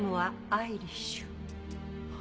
アイリッシュ。